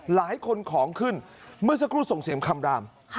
หลายคนของขึ้นเมื่อสักครู่ส่งเสียงคำราม